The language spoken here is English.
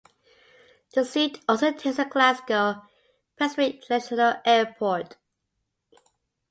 The seat also takes in Glasgow Prestwick International Airport.